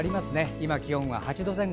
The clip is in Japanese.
今、気温が８度前後。